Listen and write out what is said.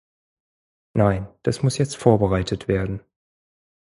Nein, das muss jetzt vorbereitet werden.